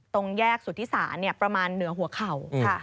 ตรงแยกสุธิศาลประมาณเหนือหัวเข่า